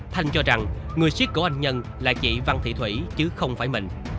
thành cho rằng người siết cổ anh nhân là chị văn thị thủy chứ không phải mình